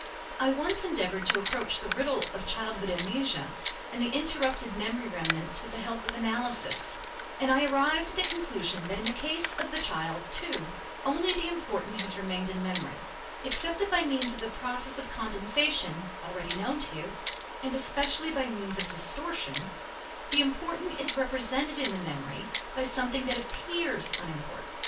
I once endeavored to approach the riddle of childhood amnesia and the interrupted memory remnants with the help of analysis, and I arrived at the conclusion that in the case of the child, too, only the important has remained in the memory, except that by means of the process of condensation already known to you, and especially by means of distortion, the important is represented in the memory by something that appears unimportant.